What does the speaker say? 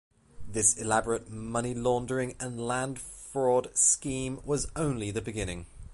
This elaborate money laundering and land fraud scheme was only the beginning.